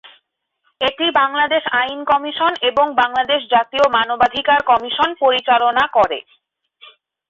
এটি বাংলাদেশ আইন কমিশন এবং বাংলাদেশ জাতীয় মানবাধিকার কমিশন ও পরিচালনার করে।